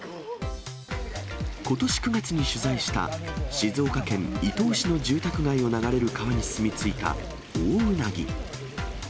ことし９月に取材した、静岡県伊東市の住宅街を流れる川に住み着いたオオウナギ。